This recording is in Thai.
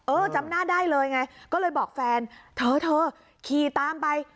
จำหน้าได้เลยไงก็เลยบอกแฟนเธอเธอขี่ตามไป